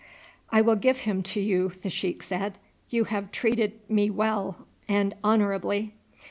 "I will give him to you," the sheik said. "You have treated me well and honourably."